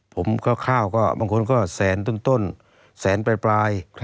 ข้าวก็บางคนก็แสนต้นแสนปลาย